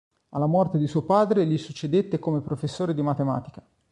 Alla morte di suo padre gli succedette come professore di matematica.